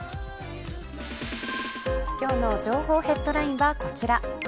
今日の情報ヘッドラインはこちら。